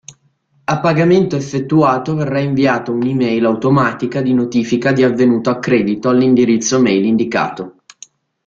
A pagamento effettuato verrà inviata una e-mail automatica di notifica di avvenuto accredito all'indirizzo mail indicato.